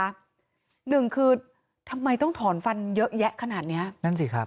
หนึ่งคือทำไมต้องถอนฟันเยอะแยะขนาดนี้